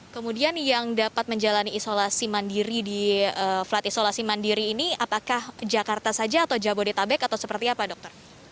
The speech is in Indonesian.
kemudian yang dapat menjalani isolasi mandiri di flat isolasi mandiri ini apakah jakarta saja atau jabodetabek atau seperti apa dokter